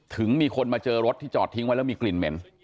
ถึงมีคนมาเจอรถที่จอดทิ้งไว้แล้วมีกลิ่นเหม็น